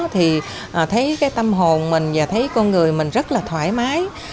thì thấy cái tâm hồn mình và thấy con người mình rất là thoải mái